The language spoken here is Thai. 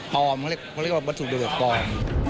เขาเรียกว่าวัตถุระเบิดปลอม